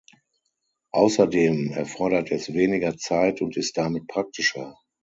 Außerdem erfordert es weniger Zeit und ist damit praktischer.